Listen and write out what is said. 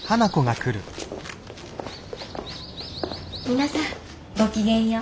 皆さんごきげんよう。